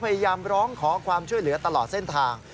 พยายามร้องขอความช่วยเหลือตลอดเส้นทาง